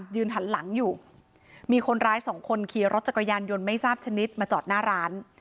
หันหลังอยู่มีคนร้ายสองคนขี่รถจักรยานยนต์ไม่ทราบชนิดมาจอดหน้าร้าน